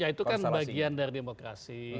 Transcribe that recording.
ya itu kan bagian dari demokrasi